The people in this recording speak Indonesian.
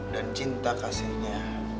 dan cinta kasihnya